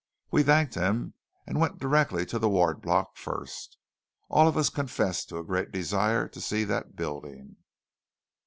We thanked him, and went direct to the Ward Block first. All of us confessed to a great desire to see that building.